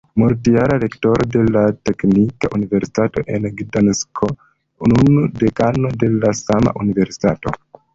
Multjara rektoro de la Teknika Universitato en Gdansko, nun dekano de la sama universitato.